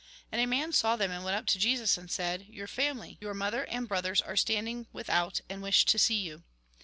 And a man saw them, and went up to Jesus, and said :" Your family, your mother and brothers, are stand ing without, and wish to see you."